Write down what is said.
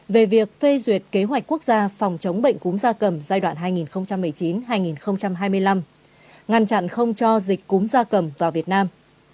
về việc phê duyệt kế hoạch quốc gia phòng chống bệnh cúm da cầm giai đoạn hai nghìn một mươi chín hai nghìn hai mươi năm ngăn chặn không cho dịch cúm gia cầm vào việt nam